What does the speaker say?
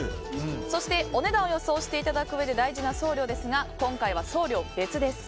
そして、お値段を予想していただくうえで大事な送料ですが今回は送料別です。